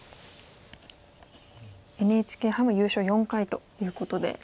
ＮＨＫ杯も優勝４回ということで。